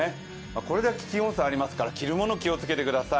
これだけ気温差がありますから着るもの、気をつけてください。